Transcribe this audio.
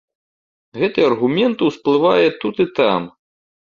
Гэты аргумент усплывае тут і там.